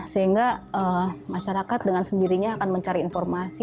sehingga masyarakat dengan sendirinya akan mencari informasi